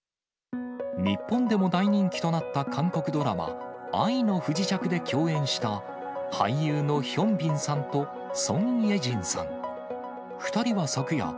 日本でも大人気となった韓国ドラマ、愛の不時着で共演した、俳優のヒョンビンさんと、ソン・イェジンさん。